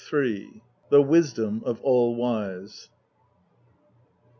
THE WISDOM OF ALL WISE.